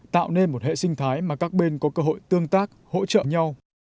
tạo nên một hệ sinh thái mà các bên có cơ hội tương tác hỗ trợ nhau